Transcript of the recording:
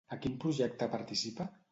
A quin projecte participa?